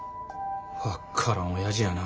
分からんおやじやな。